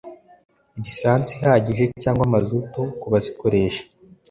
lisansi ihagije cyangwa mazutu ku bazikoresha